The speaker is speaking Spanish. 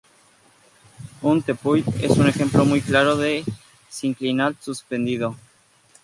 Un tepuy es un ejemplo muy claro de sinclinal suspendido.